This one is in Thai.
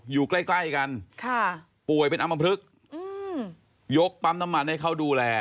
อยู่ใกล้ใกล้กันป่วยเป็นอำมพลึกยกปั๊มน้ำมันให้เขาดูแล